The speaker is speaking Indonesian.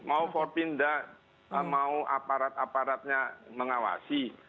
mau for pindah mau aparat aparatnya mengawasi